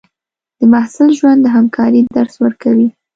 د محصل ژوند د همکارۍ درس ورکوي.